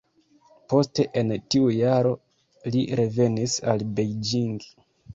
Poste en tiu jaro li revenis al Beijing.